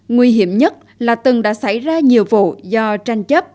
nguy hiểm nhất là từng đã xảy ra nhiều vụ do tranh chấp